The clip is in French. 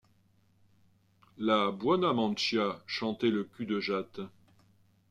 La buona mancia ! chantait le cul-de-jatte.